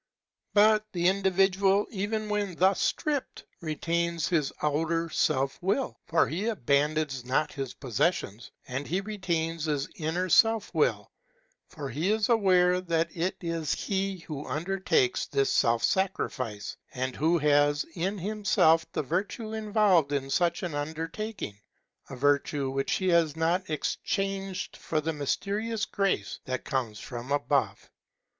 But the indi vidual even when thus stripped, retains his outer self will, for he abandons not his possessions ; and he retains his inner self will, for he is aware that it is he who undertakes this self sacrifice, and who has in himself the virtue involved in such an under taking, — a virtue which he has not exchanged for the mysterious grace that cometh from above.